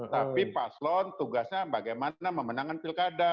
tapi paslon tugasnya bagaimana memenangkan pilkada